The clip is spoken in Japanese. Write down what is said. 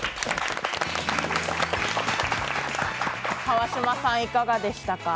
川島さん、いかがでしたか？